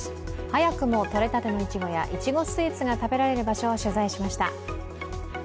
早くもとれたてのいちごやいちごスイーツが食べられる場所を取材しました。